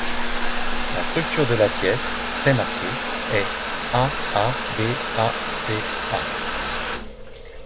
La structure de la pièce, très marquée, est A–A–B–A–C–A.